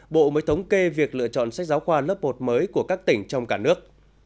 bộ mới thống kê việc lựa chọn sách giáo khoa lớp một mới của các tỉnh trong cả nước